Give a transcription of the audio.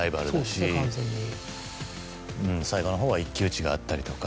最後の方は一騎打ちがあったりとか。